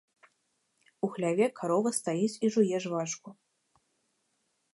У хляве карова стаіць і жуе жвачку.